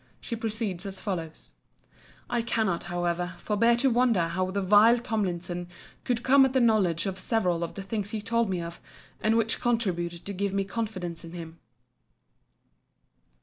She proceeds as follows:] I cannot, however, forbear to wonder how the vile Tomlinson could come at the knowledge of several of the things he told me of, and which contributed to give me confidence in him.